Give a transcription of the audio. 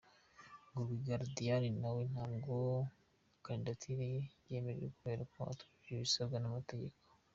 Ngo Rwigara Diane nawe ntabwo Kandidatire ye yemejwe kubera ko atujuje ibisabwa n’amategeko.